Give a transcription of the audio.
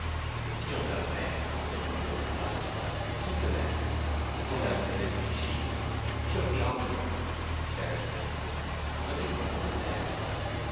He jumped out of bed in the weird light, took the letter, pulled out the flimsy sheet, shook the envelope—searched it. Nothing more was there.